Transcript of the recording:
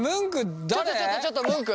ちょっとちょっとちょっとムンク。